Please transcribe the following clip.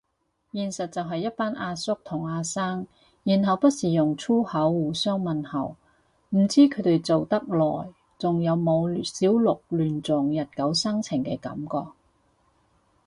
現實就係一班阿叔同阿生，然後不時用粗口互相問候，唔知佢哋做得耐仲有冇小鹿亂撞日久生情嘅感覺